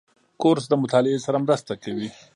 کورس د مطالعې سره مرسته کوي.